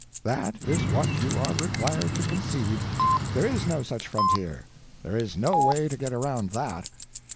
That is what you are required to concede. There is no such frontier—there is no way to get around that.